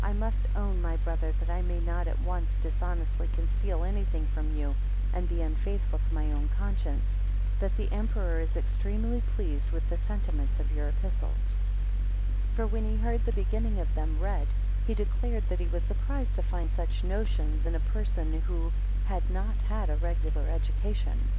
4 And I must own, my brother, that I may not at once dishonestly conceal anything from you, and be unfaithful to my own conscience, that the emperor is extremely pleased with the sentiments of your Epistles; 5 For when he heard the beginning of them read, he declared, that he was surprised to find such notions in a person, who had not had a regular education.